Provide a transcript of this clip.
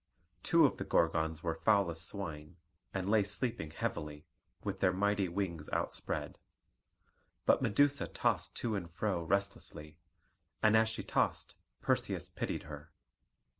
Two of the Gorgons were foul as swine, and lay sleeping heavily, with their mighty wings outspread; but Medusa tossed to and fro restlessly, and as she tossed Perseus pitied her.